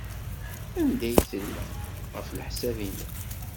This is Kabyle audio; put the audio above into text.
Anda ay tella, ɣef leḥsab-nnem?